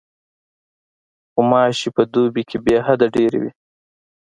غوماشې په دوبي کې بېحده ډېرې وي.